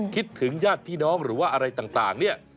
คิดถึงญาติพี่น้องหรือว่าอะไรต่างเนี่ย